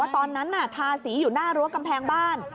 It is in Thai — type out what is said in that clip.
ตอนนั้นทาสีอยู่หน้ารั้วกำแพงบ้าน